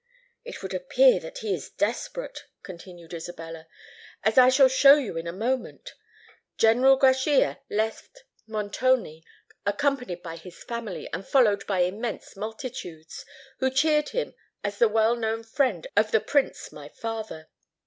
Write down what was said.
"It would appear that he is desperate," continued Isabella, "as I shall show you in a moment. General Grachia left Montoni, accompanied by his family, and followed by immense multitudes, who cheered him as the well known friend of the Prince my father.